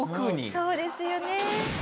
そうですよね。